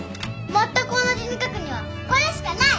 まったく同じに書くにはこれしかない！